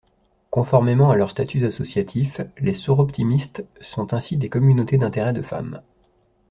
Conformément à leurs statuts associatifs, les Soroptimistes sont ainsi des communautés d'intérêt de femmes.